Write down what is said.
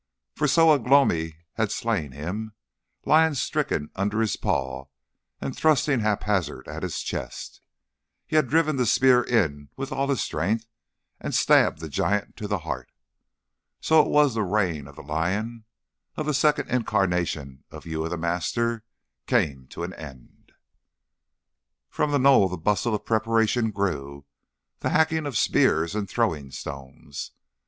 For so Ugh lomi had slain him, lying stricken under his paw and thrusting haphazard at his chest. He had driven the spear in with all his strength and stabbed the giant to the heart. So it was the reign of the lion, of the second incarnation of Uya the Master, came to an end. From the knoll the bustle of preparation grew, the hacking of spears and throwing stones.